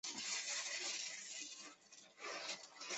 中华人民共和国哲学家。